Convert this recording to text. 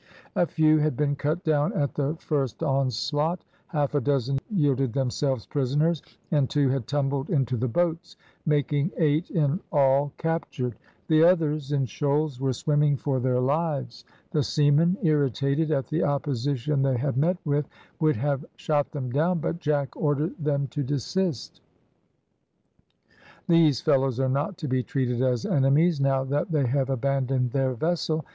A few had been cut down at the first onslaught; half a dozen yielded themselves prisoners, and two had tumbled into the boats, making eight in all captured. The others, in shoals, were swimming for their lives. The seamen, irritated at the opposition they had met with, would have shot them down, but Jack ordered them to desist. "These fellows are not to be treated as enemies, now that they have abandoned their vessel.